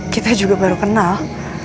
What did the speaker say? kita juga baru kenal